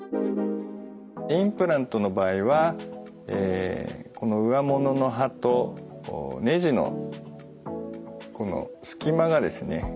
インプラントの場合はこのうわものの歯とねじのこのすき間がですね